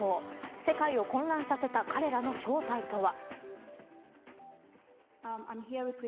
世界を混乱させた彼らの正体とは。